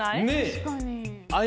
確かに。